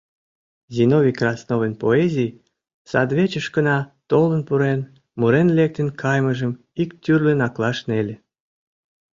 Зиновий Красновын поэзий садвечышкына толын пурен мурен лектын кайымыжым ик тӱрлын аклаш неле.